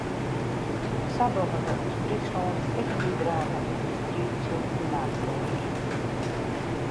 Sa dogge we as Fryslân ek in bydrage yn de striid tsjin klimaatferoaring.